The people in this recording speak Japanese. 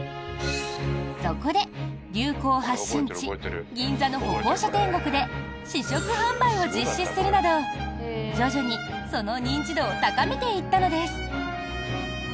そこで流行発信地、銀座の歩行者天国で試食販売を実施するなど徐々に、その認知度を高めていったのです。